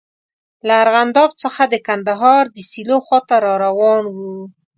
له ارغنداب څخه د کندهار د سیلو خواته را روان وو.